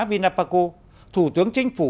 vinapaco thủ tướng chính phủ